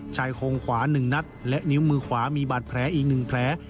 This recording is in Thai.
ชายโครงขวา๑นัดและนิ้วมือขวามีบาดแผลอีก๑แผล